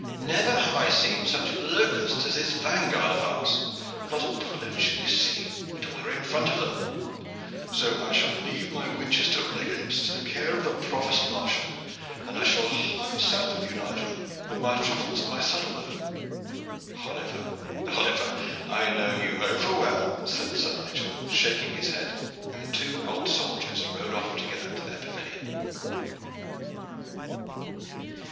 Never have I seen such locusts as this vanguard of ours. Not a pullet shall we see until we are in front of them; so I shall leave my Winchester runagates to the care of the provost marshal, and I shall hie south with you, Nigel, with my truffles at my saddle bow." "Oliver, Oliver, I know you over well," said Sir Nigel, shaking his head, and the two old soldiers rode off together to their pavilion.